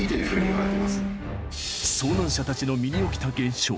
遭難者たちの身に起きた現象